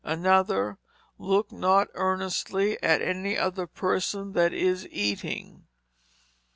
Another, "Look not earnestly at any other person that is eating."